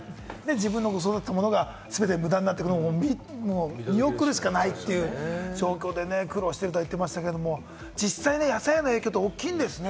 自分の育てたものが全て無駄になっていくのを見送るしかないという状況で苦労していると言っていましたけれども、実際、野菜への影響って大きいんですね？